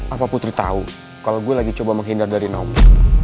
apa putri tahu kalau gue lagi coba menghindar dari nomi